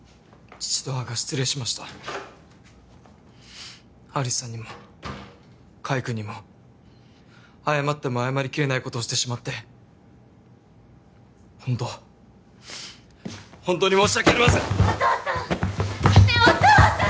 父と母が失礼しました有栖さんにも海くんにも謝っても謝りきれないことをしてしまってホントホントに申し訳ありませお父さんねえお父さん！